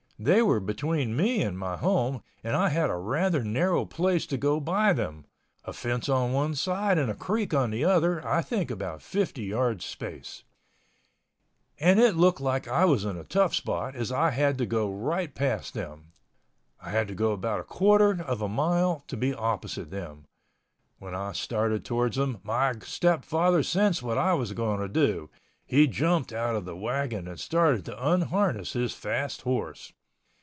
They were between me and my home, and I had a rather narrow place to go by them—(a fence on one side and a creek on the other ... I think about fifty yards space) and it looked like I was in a tough spot, as I had to go right past them. I had to go about a quarter of a mile to be opposite them. When I started towards them, my stepfather sensed what I was going to do. He jumped out of the wagon and started to unharness his fast horse.